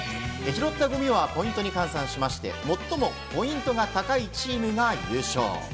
拾ったゴミはポイントに換算しまして、最もポイントが高いチームが優勝。